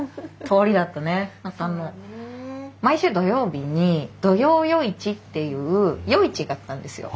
そうだねえ。毎週土曜日に土曜夜市っていう夜市があったんですよ。